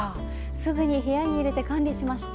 すぐに部屋に入れて管理しました。